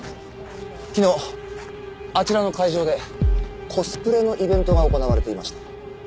昨日あちらの会場でコスプレのイベントが行われていました。